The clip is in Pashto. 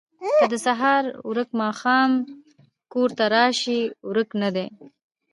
ـ که د سهار ورک ماښام کور ته راشي ورک نه دی.